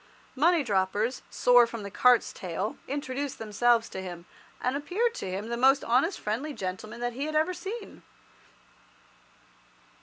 Money droppers, sore from the cart's tail, introduced themselves to him, and appeared to him the most honest friendly gentlemen that he had ever seen.